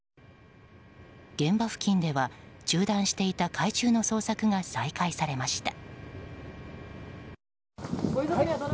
現場付近では、中断していた海中の捜索が再開されました。